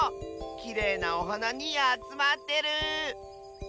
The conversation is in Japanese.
きれいなおはなにあつまってる！